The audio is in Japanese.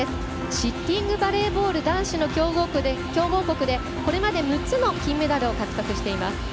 シッティングバレーボール男子の強豪国でこれまで６つの金メダルを獲得しています。